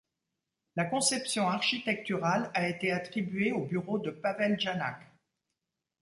La conception architecturale a été attribuée au bureau de Pavel Janák.